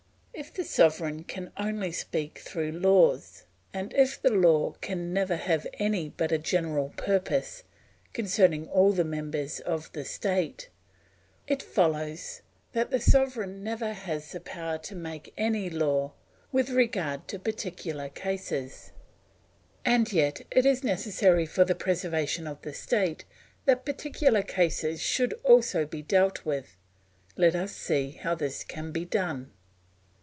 If the sovereign can only speak through laws, and if the law can never have any but a general purpose, concerning all the members of the state, it follows that the sovereign never has the power to make any law with regard to particular cases; and yet it is necessary for the preservation of the state that particular cases should also be dealt with; let us see how this can be done.